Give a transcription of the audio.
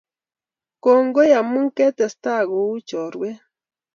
Kongoi amu ketesta kou chorwet